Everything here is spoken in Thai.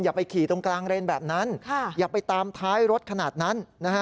ไปขี่ตรงกลางเลนแบบนั้นอย่าไปตามท้ายรถขนาดนั้นนะฮะ